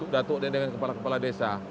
dato' dendeng kepala kepala desa